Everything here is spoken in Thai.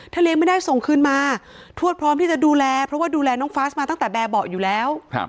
เลี้ยงไม่ได้ส่งคืนมาทวดพร้อมที่จะดูแลเพราะว่าดูแลน้องฟาสมาตั้งแต่แบบเบาะอยู่แล้ว